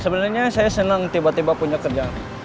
sebenarnya saya senang tiba tiba punya kerja